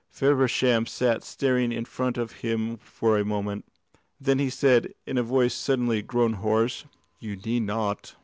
Feversham sat staring in front of him for a moment. Then he said, in a voice suddenly grown hoarse: "You need not."